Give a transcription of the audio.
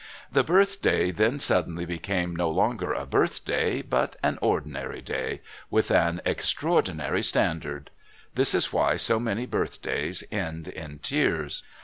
The Birthday then suddenly became no longer a birthday but an ordinary day with an extraordinary standard. This is why so many birthdays end in tears.